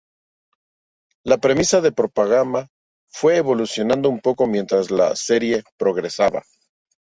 La premisa del programa fue evolucionando un poco mientras la serie progresaba.